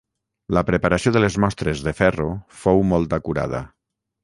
La preparació de les mostres de ferro fou molt acurada.